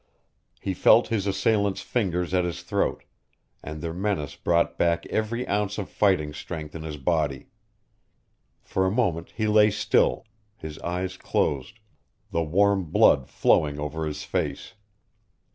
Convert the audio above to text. He felt his assailant's fingers at his throat, and their menace brought back every ounce of fighting strength in his body. For a moment he lay still, his eyes closed, the warm blood flowing over his face.